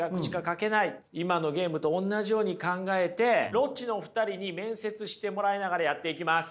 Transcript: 今のゲームとおんなじように考えてロッチの２人に面接してもらいながらやっていきます。